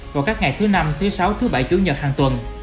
vào các ngày thứ năm thứ sáu thứ bảy chủ nhật hàng tuần